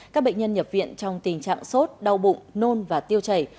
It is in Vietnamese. các bệnh nhân nhập viện trong tình trạng sốt đau bụng nôn và tiêu chảy